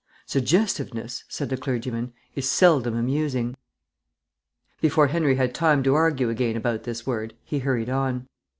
"Suggestiveness," said the clergyman, "is seldom amusing." Before Henry had time to argue again about this word, he hurried on.